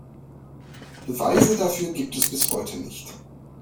Beweise dafür gibt es bis heute nicht.